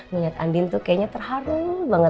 niat andin tuh kayaknya terharu banget